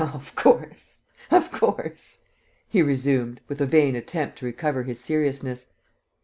"Of course, of course!" he resumed, with a vain attempt to recover his seriousness.